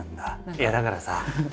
いやだからさ